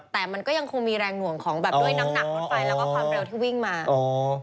แต่มันก็ยังคงมีแรงหลวงของภารกิจโปรดและความเร็วที่วิ่งมา